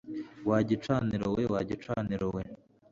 Wa gicaniro we wa gicaniro we